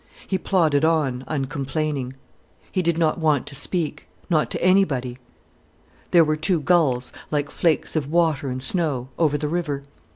He plodded on uncomplaining. He did not want to speak, not to anybody. There were two gulls, like flakes of water and snow, over the river.